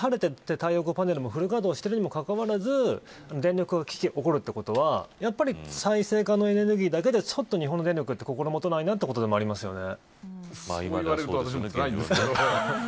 それだけ晴れていて太陽光パネルがフル稼働しているにもかかわらず電力危機が起こるということはやっぱり再生可能エネルギーだけでは日本の電力は心もとないなということだと思いますよね。